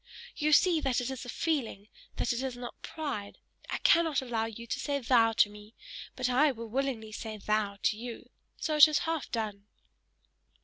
You see that it is a feeling; that it is not pride: I cannot allow you to say THOU to me, but I will willingly say THOU to you, so it is half done!"